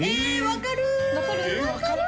分かる！